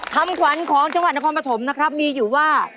คำขวัญของจังหวัดนครปฐมนะครับมีอยู่ว่า